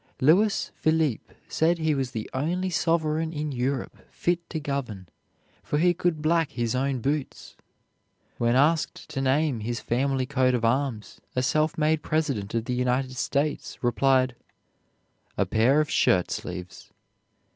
Louis Philippe said he was the only sovereign in Europe fit to govern, for he could black his own boots. When asked to name his family coat of arms, a self made President of the United States replied, "A pair of shirtsleeves."